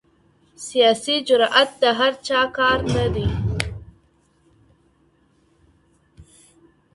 سياسي جرئت د هر چا کار نه دی.